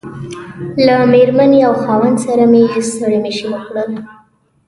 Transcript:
له مېرمنې او خاوند سره مې ستړي مشي وکړل.